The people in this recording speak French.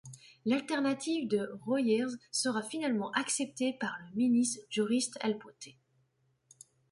L'alternative de Royers sera finalement accepté par le ministre Joris Helleputte.